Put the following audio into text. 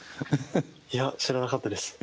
いや知らなかったです。